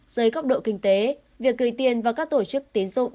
dưới góc độ kinh tế việc gửi tiền vào các tổ chức tiến dụng